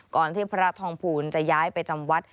ก่อนที่พระรัชทองภูลจะย้ายไปจำวัด